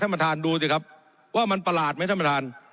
ประธานดูสิครับว่ามันประหลาดไหมท่านประธาน